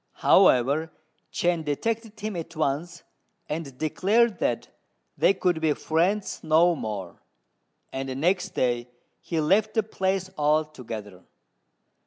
However, Chên detected him at once, and declared that they could be friends no more, and next day he left the place altogether.